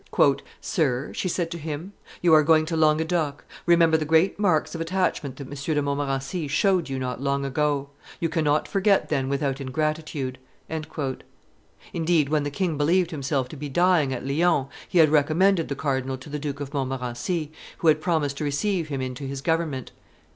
"Sir," she said to him, "you are going to Languedoc; remember the great marks of attachment that M. de Montmorency showed you not long ago; you cannot forget then without ingratitude." Indeed, when the king believed himself to be dying at Lyons, he had recommended the cardinal to the Duke of Montmorency, who had promised to receive him into his government.